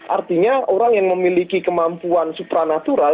artinya orang yang memiliki kemampuan supranatural